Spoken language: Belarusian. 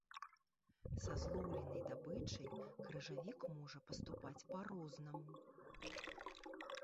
Са злоўленай здабычай крыжавік можа паступаць па-рознаму.